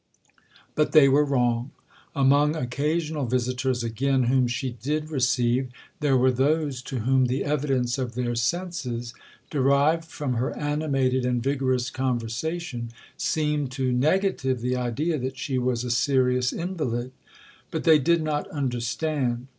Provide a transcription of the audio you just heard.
But they were wrong. Among occasional visitors, again, whom she did receive, there were those to whom the evidence of their senses, derived from her animated and vigorous conversation, seemed to negative the idea that she was a serious invalid. But they did not understand.